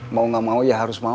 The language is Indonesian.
mau gak mau ya harus mau